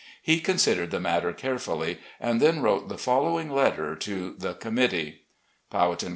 He considered the matter carefully and then wrote the following letter to the committee :* Professor E.